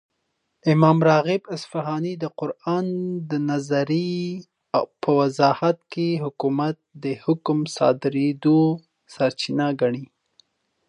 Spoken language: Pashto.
،امام راغب اصفهاني دقران دنظري په وضاحت كې حكومت دحكم دصادريدو سرچينه ګڼي